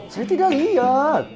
saya tidak lihat